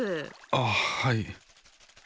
あっはい。